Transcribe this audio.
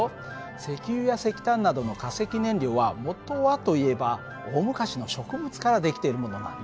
石油や石炭などの化石燃料はもとはといえば大昔の植物から出来ているものなんだ。